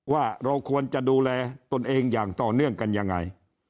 ว่าเราควรจะดูแลตนเองอย่างต่อเนื่องกันยังไง